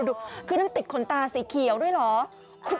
ดูคือนั่นติดขนตาสีเขียวด้วยเหรอ